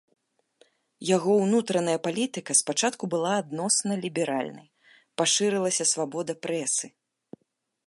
Яго ўнутраная палітыка спачатку была адносна ліберальнай, пашырылася свабода прэсы.